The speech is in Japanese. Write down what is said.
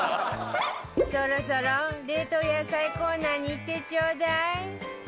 そろそろ、冷凍野菜コーナーに行ってちょうだい